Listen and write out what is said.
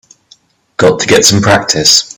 Got to get some practice.